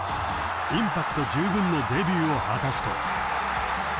［インパクト十分のデビューを果たすと］